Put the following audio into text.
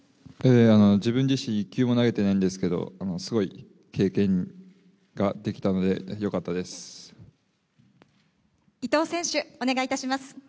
自分自身、一球も投げてないんですけど、すごい経験ができたので、よかっ伊藤選手、お願いいたします。